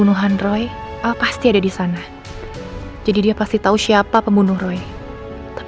nanti diinginkan projeknya